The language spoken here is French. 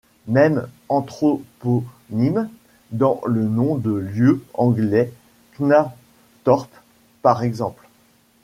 Même anthroponyme dans le nom de lieu anglais Knapthorpe par exemple.